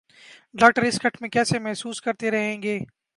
doctor اس kit میں کیسے محسوس کرتے رہیں گے